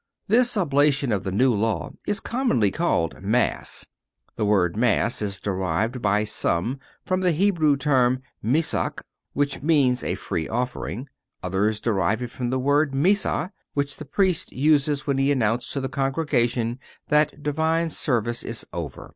This oblation of the New Law is commonly called Mass. The word Mass is derived by some from the Hebrew term Missach (Deut. xvi.), which means a free offering. Others derive it from the word Missa, which the Priest uses when he announces to the congregation that Divine Service is over.